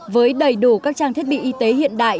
với đầy đủ các trang thiết bị y tế hiện đại